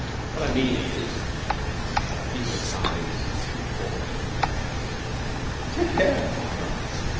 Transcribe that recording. What I mean is " Maraquita's eyes seemed to shoot forth two flames. "Take care," she cried.